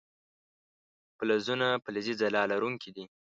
فلزونه فلزي ځلا لرونکي دي.